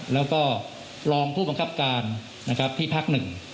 และรองผู้บังคับการที่ภาค๑